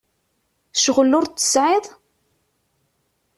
Ccɣel ur t-tesεiḍ?